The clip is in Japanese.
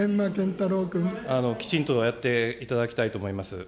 きちんとやっていただきたいと思います。